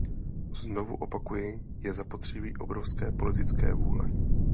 Znovu opakuji, je zapotřebí obrovské politické vůle.